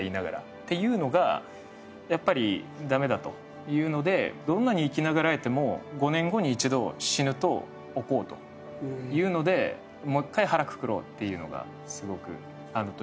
っていうのがやっぱりダメだというのでどんなに生き永らえても５年後に一度死ぬと置こうというのでもう一回腹くくろうっていうのがすごくあの時。